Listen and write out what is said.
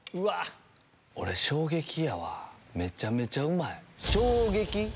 俺衝撃やわめちゃめちゃうまい。